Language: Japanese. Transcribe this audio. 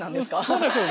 そうです。